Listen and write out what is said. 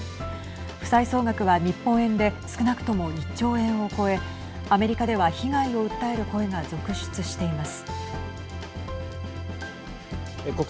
負債総額は日本円で少なくとも１兆円を超えアメリカでは被害を訴える声が続出しています。